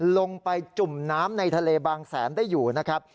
ลงไปจุ่มน้ำในทะเลบางแสนได้อยู่นะครับ